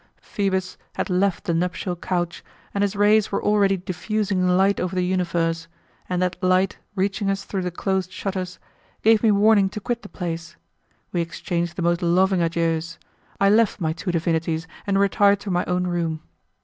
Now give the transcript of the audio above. Phoebus had left the nuptial couch, and his rays were already diffusing light over the universe; and that light, reaching us through the closed shutters, gave me warning to quit the place; we exchanged the most loving adieus, I left my two divinities and retired to my own room.